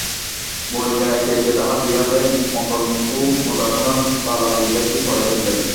বলিয়া একে একে তাহার দুই হাতে মকরমুখো মোটা সোনার বালা দুইগাছি পরাইয়া দিলেন।